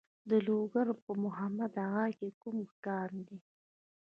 د لوګر په محمد اغه کې کوم کان دی؟